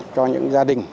cho những gia đình